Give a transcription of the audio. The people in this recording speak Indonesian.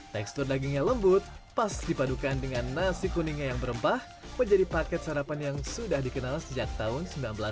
tekstur dagingnya lembut pas dipadukan dengan nasi kuningnya yang berempah menjadi paket sarapan yang sudah dikenal sejak tahun seribu sembilan ratus delapan puluh